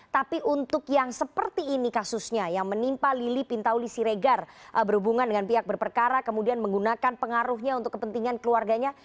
tapi untuk yang seperti ini kasusnya yang menimpa lili pintauli siregar berhubungan dengan pihak berperkara kemudian menggunakan pengaruhnya untuk kepentingan keluarganya